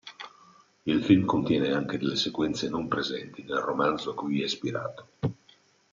Il film contiene anche delle sequenze non presenti nel romanzo a cui è ispirato.